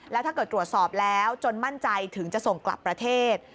แล้วถ้าเกิดตรวจสอบแล้วจนมั่นใจถึงจะส่งกลับประเทศ